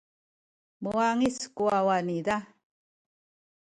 muwangic ku wawa niza.